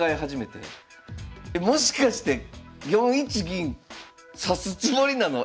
えもしかして４一銀指すつもりなの？